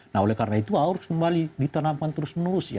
nah oleh karena itu harus kembali ditanamkan terus menerus ya